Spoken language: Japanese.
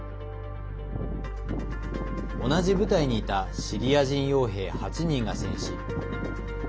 同じ部隊にいたシリア人よう兵８人が戦死。